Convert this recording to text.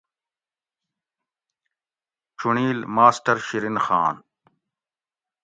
چُنڑیل: ماسٹر شیرین خان